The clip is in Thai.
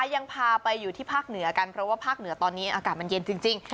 ยังพาไปอยู่ที่ภาคเหนือกันเพราะว่าภาคเหนือตอนนี้อากาศมันเย็นจริง